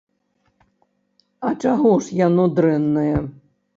А чаго ж яно дрэннае?